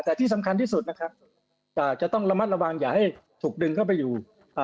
แต่ที่สำคัญที่สุดนะครับอ่าจะต้องระมัดระวังอย่าให้ถูกดึงเข้าไปอยู่อ่า